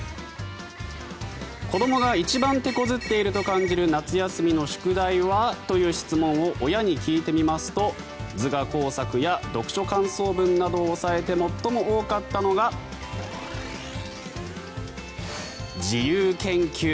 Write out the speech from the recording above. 子どもが一番てこずっていると感じる夏休みの宿題はという質問を親に聞いてみますと図画工作や読書感想文などを抑えて最も多かったのが自由研究。